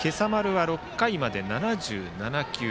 今朝丸は６回まで７７球。